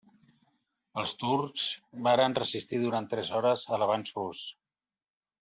Els turcs varen resistir durant tres hores a l'avanç rus.